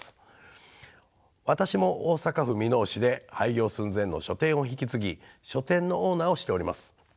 私も大阪府箕面市で廃業寸前の書店を引き継ぎ書店のオーナーをしております。